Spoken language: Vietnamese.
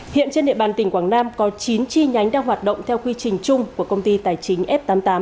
hiện trên địa bàn tỉnh quảng nam có chín chi nhánh đang hoạt động theo quy trình chung của công ty tài chính f tám mươi tám